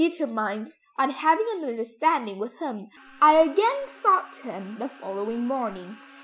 Determined on having an understanding with him I again sought him the following morning.